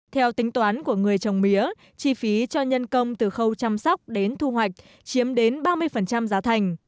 theo tính toán của người trồng mía chi phí cho nhân công từ khâu chăm sóc đến thu hoạch chiếm đến ba mươi giá thành